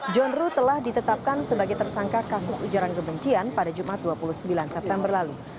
john ruh telah ditetapkan sebagai tersangka kasus ujaran kebencian pada jumat dua puluh sembilan september lalu